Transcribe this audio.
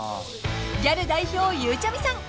［ギャル代表ゆうちゃみさん］